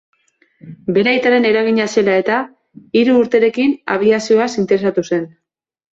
Bere aitaren eragina zela eta, hiru urterekin abiazioaz interesatu zen.